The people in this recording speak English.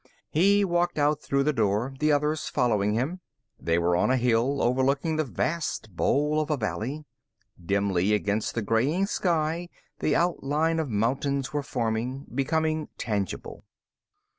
He walked out through the door, the others following him. They were on a hill, overlooking the vast bowl of a valley. Dimly, against the graying sky, the outline of mountains were forming, becoming tangible.